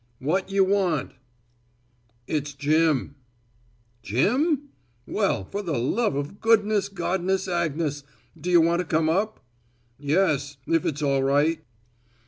"What you want?" "It's Jim." "Jim? well, for the love of goodness godness Agnes d'you want to come up?" "Yes, if it's all right."